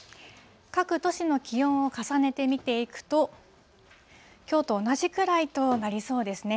各都市の気温を重ねて見ていくと、きょうと同じくらいとなりそうですね。